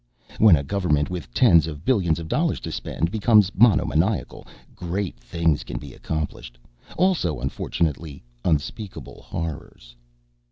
When a government with tens of billions of dollars to spend becomes monomaniacal, Great Things can be accomplished. Also, unfortunately, Unspeakable Horrors.